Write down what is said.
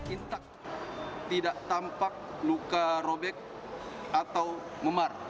intak tidak tampak luka robek atau memar